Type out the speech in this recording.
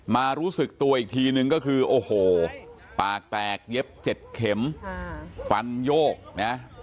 รู้สึกตัวอีกทีนึงก็คือโอ้โหปากแตกเย็บ๗เข็มฟันโยกนะ